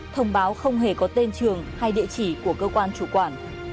thông báo không hề có tên trường hay địa chỉ của cơ quan chủ quản